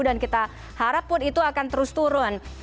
dan kita harap pun itu akan terus turun